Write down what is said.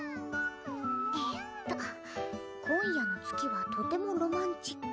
えーっと「今夜の月はとってもロマンチック」